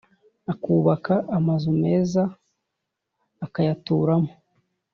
ukubaka amazu meza ukayaturamo,